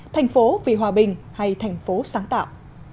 thành phố vì hòa bình hay thành phố sáng tạo